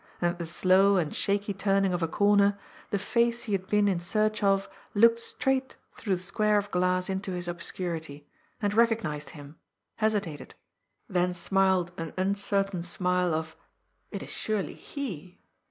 And at the slow and shaky turning of a corner, the face he had been in search of looked straight through the square of glass into his obscurity, and recognised him, — hesitated, — then smiled, an uncertain smile of " It is surely he."